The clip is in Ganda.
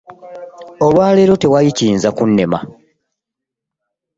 Olwaleero tewali kiyinza kunnema.